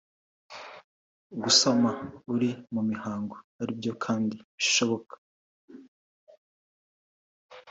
gusama uri mu mihango ari byo kandi bishoboka